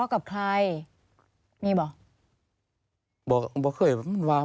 พ่อที่รู้ข่าวอยู่บ้าง